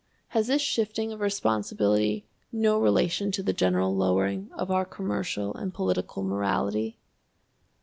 Has this shifting of responsibility no relation to the general lowering of our commercial and political morality?